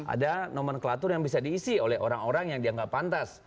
ada nomenklatur yang bisa diisi oleh orang orang yang dianggap pantas